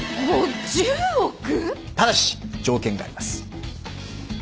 ただし条件があります。